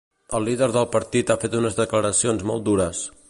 El líder del partit ha fet unes declaracions molt dures.